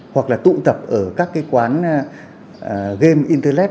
hoặc là tụ tập ở các quán game internet